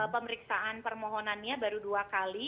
pemeriksaan permohonannya baru dua kali